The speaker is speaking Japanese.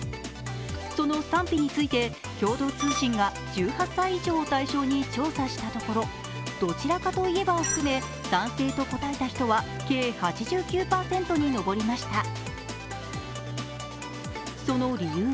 その賛否について、共同通信が１８歳以上を対象に調査したところ、「どちらかといえば」を含め賛成と答えた人は計８９％に上りました。